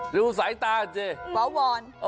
รู้สายตาเจปลอบบอน